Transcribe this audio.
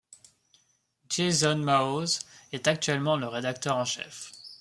Jason Maoz est actuellement le rédacteur en chef.